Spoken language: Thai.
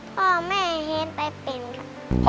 พ่อแม่เห็นไปเป็นค่ะ